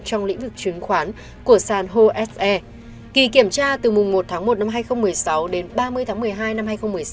trong lĩnh vực chứng khoán của san hose kỳ kiểm tra từ mùng một tháng một năm hai nghìn một mươi sáu đến ba mươi tháng một mươi hai năm hai nghìn một mươi sáu